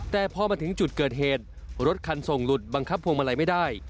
แต่พอมาถึงจุดเกิดเหตุรถคันส่งหลุดบังคับพวงมาลัยไม่ได้